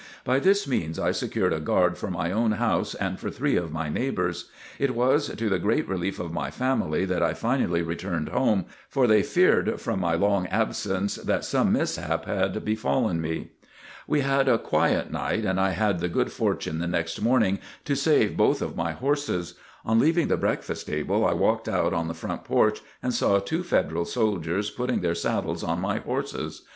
By this means I secured a guard for my own house and for three of my neighbors. It was to the great relief of my family that I finally returned home, for they feared from my long absence that some mishap had befallen me. We had a quiet night and I had the good fortune the next morning to save both of my horses. On leaving the breakfast table, I walked out on the front porch, and saw two Federal soldiers putting their saddles on my horses.